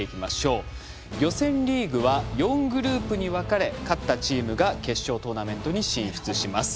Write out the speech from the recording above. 予選リーグは４グループに分かれ勝ったチームが決勝トーナメントに進出します。